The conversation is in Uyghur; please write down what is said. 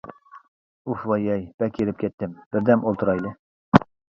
-ئۇھ ۋاييەي، بەك ھېرىپ كەتتىم، بىردەم ئولتۇرايلى.